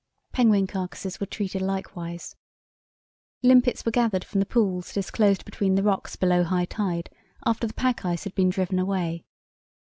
Penguin carcasses were treated likewise. Limpets were gathered from the pools disclosed between the rocks below high tide, after the pack ice had been driven away.